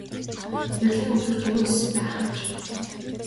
Эрлийн үзүүрт юу эс байх аж.